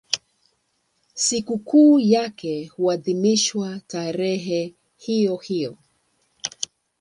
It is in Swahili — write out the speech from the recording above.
Sikukuu yake huadhimishwa tarehe hiyohiyo.